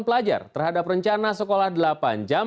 pengetahuan hanya dua jam